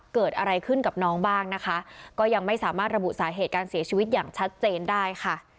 เกิดอะไรขึ้นกับน้องบ้างนะคะก็ยังไม่สามารถระบุสาเหตุการเสียชีวิตอย่างชัดเจนได้ค่ะ